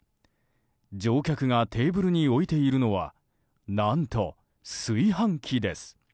乗客がテーブルに置いているのは何と炊飯器です。